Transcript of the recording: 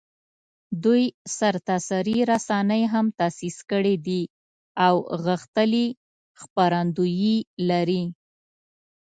دوی سرتاسري رسنۍ هم تاسیس کړي دي او غښتلي خپرندویې لري